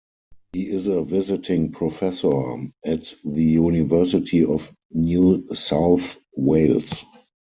He is a visiting professor at the University of New South Wales.